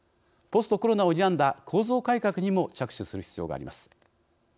ポストコロナをにらんだ構造改革にも着手する必要があります。